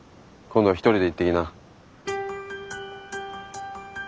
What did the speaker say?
今度は一人で行ってきな。